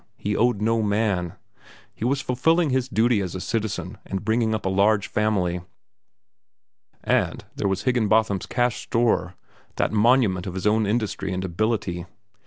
He owed no man. He was fulfilling his duty as a citizen and bringing up a large family. And there was Higginbotham's Cash Store, that monument of his own industry and ability.